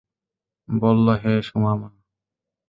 বলল, হে সুমামা!